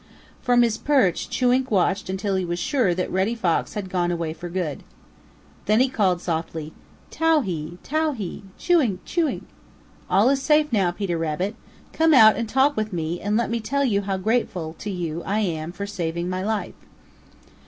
From his perch Chewink watched until he was sure that Reddy Fox had gone away for good. Then he called softly, "Towhee! Towhee! Chewink! Chewink! All is safe now, Peter Rabbit. Come out and talk with me and let me tell you how grateful to you I am for saving my life."